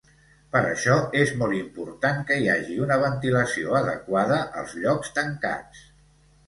Per això és molt important que hi hagi una ventilació adequada als llocs tancats.